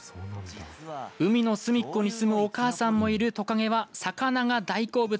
海のすみっこに住むおかあさんもいるとかげは魚が大好物。